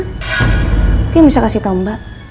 mungkin bisa kasih tau mbak